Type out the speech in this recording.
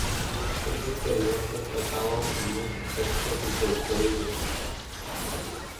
Este experimento es tratado en muchos textos introductorios de física.